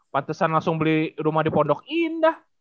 pantesan langsung beli rumah di pondok indah